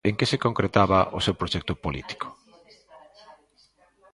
En que se concretaba o seu proxecto político?